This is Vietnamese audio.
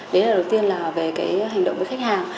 đấy là đầu tiên là về cái hành động với khách hàng